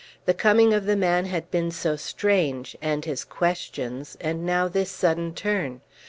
The coming of the man had been so strange, and his questions, and now this sudden turn.